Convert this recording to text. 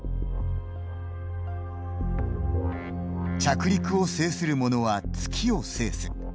着陸を制するモノは、月を制す。